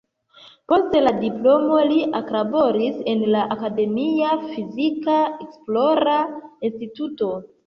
Post la diplomo li eklaboris en la akademia fizika esplora instituto.